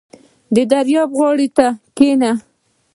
• د دریاب غاړې ته کښېنه.